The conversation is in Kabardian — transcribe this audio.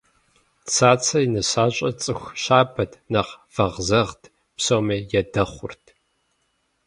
Цацэ и нысащӏэр цӏыху щабэт, нэхъ вэгъзэгът, псоми ядэхъурт.